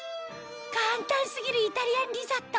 簡単過ぎるイタリアンリゾット